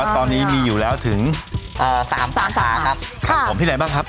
ที่นี่ได้บ้างครับ